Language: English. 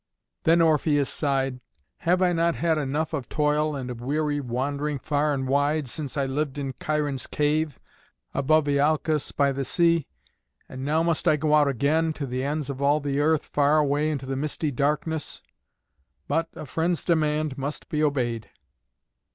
Then Orpheus sighed, "Have I not had enough of toil and of weary wandering far and wide, since I lived in Cheiron's cave, above Iolcos by the sea? And now must I go out again, to the ends of all the earth, far away into the misty darkness? But a friend's demand must be obeyed."